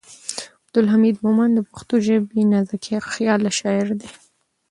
عبدالحمید مومند د پښتو ژبې نازکخیاله شاعر دی.